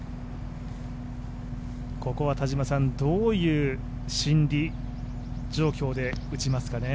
ここはどういう心理状況で打ちますかね。